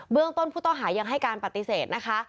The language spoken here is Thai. เรื่องต้นผู้ต้องหายังให้การปฏิเสธนะคะ